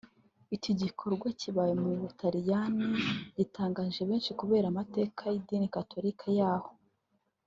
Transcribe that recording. Iki gikorwa kibaye mu Butaliyani gitangaje benshi kubera amateka y’idini gatolika yaho